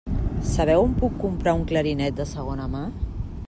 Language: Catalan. Sabeu on puc comprar un clarinet de segona mà?